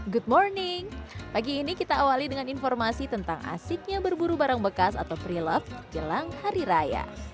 good morning pagi ini kita awali dengan informasi tentang asiknya berburu barang bekas atau pre love jelang hari raya